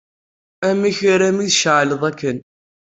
Amek armi tceɛleḍ akken?